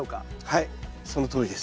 はいそのとおりです。